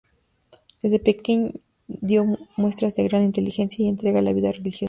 Desde pequeño dio muestras de gran inteligencia y entrega a la vida religiosa.